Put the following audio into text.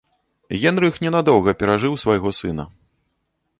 Генрых ненадоўга перажыў свайго сына.